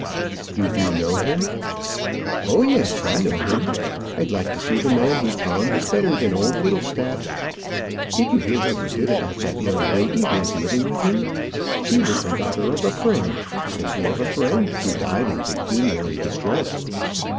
"You do know him?" "Oh yes, I know him. I'd like to see the man whose bond is better than old Whittlestaff's. Did you hear what he did about that young lady who is living with him? She was the daughter of a friend, simply of a friend who died in pecuniary distress.